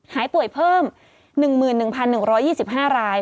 หายป่วยเพิ่ม๑๑๑๒๕ราย